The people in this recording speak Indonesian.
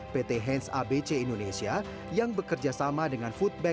konsumennya akan memiliki keuntungan